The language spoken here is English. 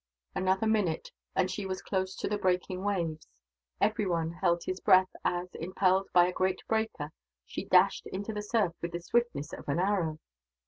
Another minute, and she was close to the breaking waves. Everyone held his breath as, impelled by a great breaker, she dashed into the surf with the swiftness of an arrow.